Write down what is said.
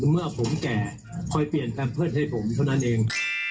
เมื่อผมแก่คอยเปลี่ยนแพมเพิร์ตให้ผมเท่านั้นเอง